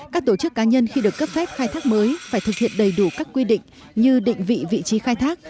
các tổ chức cá nhân khi được cấp phép khai thác mới phải thực hiện đầy đủ các quy định như định vị vị trí khai thác